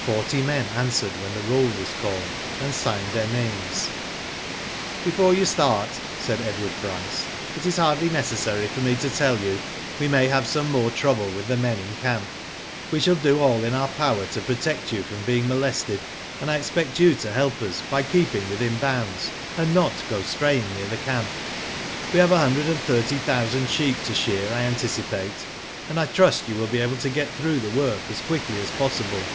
Forty men answered when the roll was called, and signed their names. Before you start,*' said Edward Bryce, "it is hardly necessary for me to tell you we may have some more trouble with the men in camp. "We shall do all in our power to protect you from being molested, and I expect you to help us by keeping within bounds, and not go straying near the camp. " We have a hundred and thirty thousand sheep to shear I anticipate, and I trust you will get through the worl^ as quickly as possible.